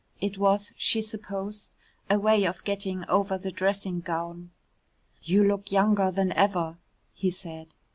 It was, she supposed, a way of getting over the dressing gown. "You look younger than ever," he said.